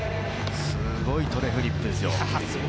すごいトレフリップですよ。